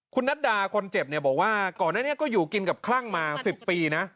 คุณนัดดาคนเจ็บเนี่ยบอกว่าก่อนหน้านี้ก็อยู่กินกับคลั่งมา๑๐ปีนะ